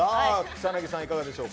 草なぎさんはいかがでしょうか。